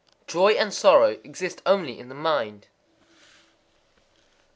_ Joy and sorrow exist only in the mind.